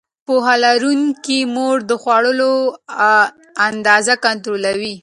پوهه لرونکې مور د خوړو اندازه کنټرولوي.